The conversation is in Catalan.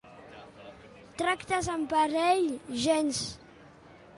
Tractes amb parents? Gens!